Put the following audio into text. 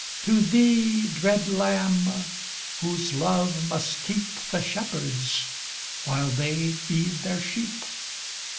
To thee (dread lamb) whose love must keep The shepherds, while they feed their sheep.